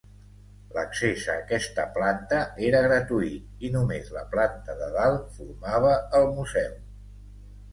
L'accés a aquesta planta era gratuït, i només la planta de dalt formava el museu.